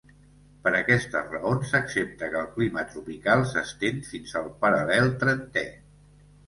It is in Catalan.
Per aquestes raons, s'accepta que el clima tropical s'estén fins al paral·lel trentè.